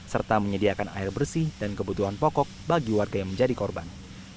serta menyediakan air bersih dan kebutuhan pokok bagi warga yang menjadi korban